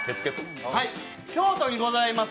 京都にございます